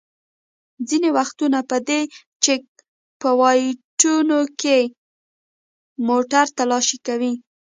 ځینې وختونه په دې چېک پواینټونو کې موټر تالاشي کوي.